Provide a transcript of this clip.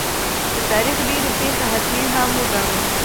د تاریخ ډېرې پېښې حتمي هم وګڼو.